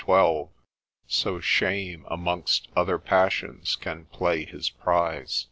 12.) So shame amongst other passions can play his prize.